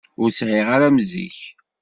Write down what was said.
Ur sɛiɣ ara am zik.